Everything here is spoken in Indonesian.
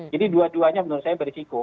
jadi dua duanya menurut saya berisiko